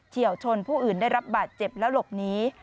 ี่ยวชนผู้อื่นได้รับบาดเจ็บแล้วหลบหนี